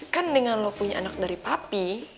kan dengan lo punya anak dari papi